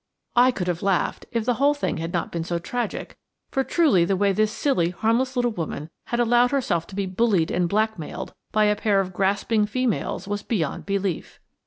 I could have laughed, if the whole thing had not been so tragic, for truly the way this silly, harmless little woman had allowed herself to be bullied and blackmailed by a pair of grasping females was beyond belief.